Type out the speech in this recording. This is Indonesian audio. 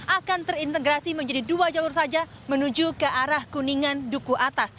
akan terintegrasi menjadi dua jalur saja menuju ke arah kuningan duku atas